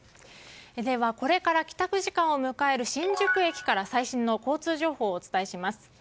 では、これから帰宅時間を迎える新宿駅から最新の交通情報をお伝えします。